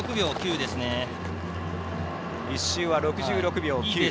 １周６６秒９。